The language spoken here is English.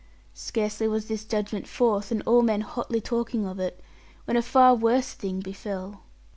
Scarcely was this judgment forth, and all men hotly talking of it, when a far worse thing befell.